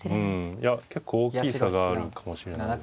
いや結構大きい差があるかもしれないです。